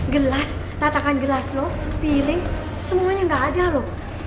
gelas tatakan gelas lo piring semuanya gak ada lo